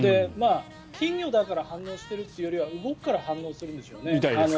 金魚だから反応しているというよりは動くから反応するんでしょうね。